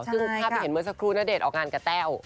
ถ้าไปเห็นเหมือนสักครู่ณเดชน์ออกงานกะแต้ว